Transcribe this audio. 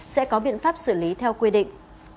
sẽ có biện pháp xử lý theo quy định